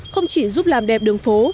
không chỉ giúp làm đẹp đường phố